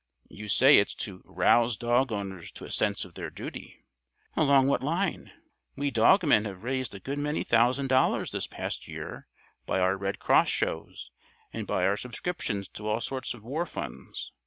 "You say it's 'to rouse dog owners to a sense of their duty.' Along what line? We dog men have raised a good many thousand dollars this past year by our Red Cross shows and by our subscriptions to all sorts of war funds.